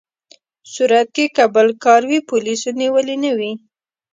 صورت کې که بل کار وي، پولیسو نیولي نه وي.